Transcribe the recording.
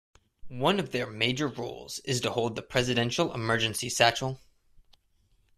One of their major roles is to hold the Presidential emergency satchel.